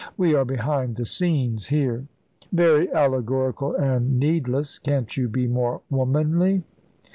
We are behind the scenes here." "Very allegorical and needless. Can't you be more womanly?"